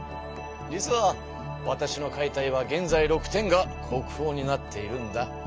実はわたしの描いた絵は現在６点が国宝になっているんだ。